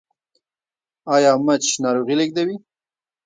ایا مچ ناروغي لیږدوي؟